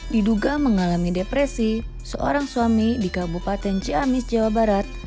diduga mengalami depresi seorang suami di kabupaten ciamis jawa barat